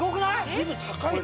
随分高いね。